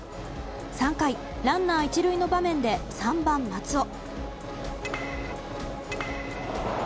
３回、ランナー１塁の場面で３番、松尾。